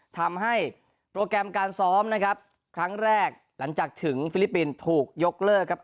ทำให้โปรแกรมการซ้อมนะครับครั้งแรกหลังจากถึงฟิลิปปินส์ถูกยกเลิกครับ